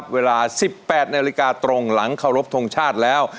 เวลา๑๘นาฬิกาตรงหลังเคารพทงชาติแล้ว